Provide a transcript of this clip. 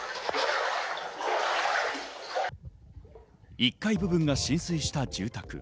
１階部分が浸水した住宅。